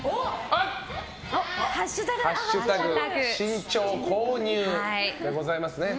「＃身長購入」でございますね。